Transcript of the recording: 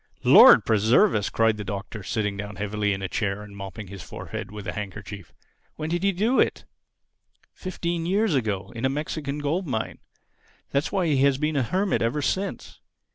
_" "Lord preserve us!" cried the Doctor, sitting down heavily in a chair and mopping his forehead with a handkerchief. "When did he do it?" "Fifteen years ago—in a Mexican gold mine. That's why he has been a hermit ever since.